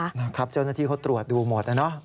เจ้าหน้าที่เขาตรวจดูหมดนะเนอะ